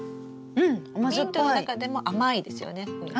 ミントの中でも甘いですよね。